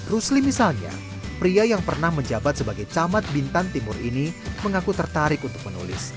rusli misalnya pria yang pernah menjabat sebagai camat bintan timur ini mengaku tertarik untuk menulis